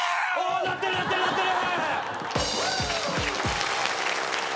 なってるなってるなってる！